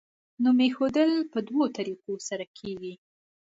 نوم ایښودل په دوو طریقو سره کیږي.